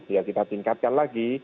ya kita tingkatkan lagi